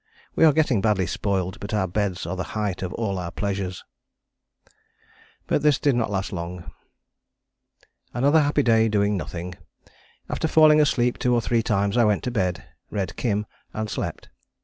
We are getting badly spoiled, but our beds are the height of all our pleasures." But this did not last long: "Another very happy day doing nothing. After falling asleep two or three times I went to bed, read Kim, and slept.